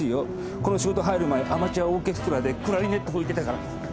この仕事入る前アマチュアオーケストラでクラリネット吹いてたから。